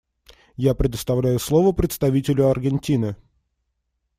Я предоставляю слово представителю Аргентины.